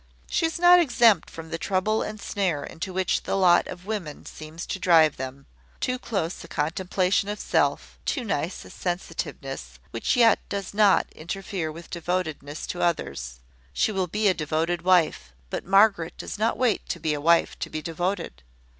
She is not exempt from the trouble and snare into which the lot of women seems to drive them, too close a contemplation of self, too nice a sensitiveness, which yet does not interfere with devotedness to others. She will be a devoted wife: but Margaret does not wait to be a wife to be devoted.